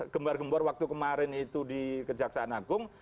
gembar gembor waktu kemarin itu di kejaksaan agung